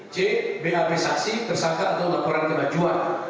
c bap sasi persatuan atau laporan kemajuan